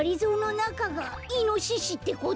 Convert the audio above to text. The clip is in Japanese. なかがイノシシってこと？